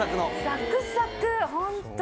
サクサクホントに。